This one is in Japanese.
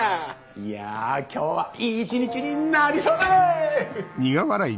いや今日はいい一日になりそうだ！